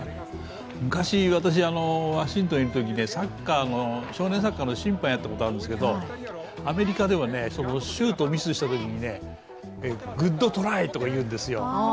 昔、私とワシントンにいたとき、少年サッカーの審判をやったことがあるんですけど、アメリカではシュートをミスしたときに、グッドトライ！とか言うんですよ。